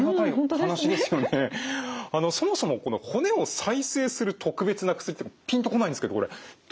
あのそもそもこの骨を再生する特別な薬ってピンとこないんですけどこれどういったものなんですか？